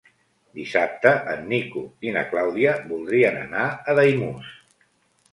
Dissabte en Nico i na Clàudia voldrien anar a Daimús.